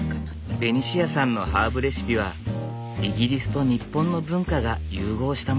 ベニシアさんのハーブレシピはイギリスと日本の文化が融合したもの。